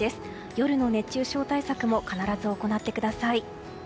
夜の熱中症対策も必ず行ってください。